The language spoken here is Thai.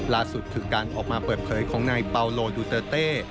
ล่าสุดคือการออกมาเปิดเผยของนายเปาโลดูเตอร์เต้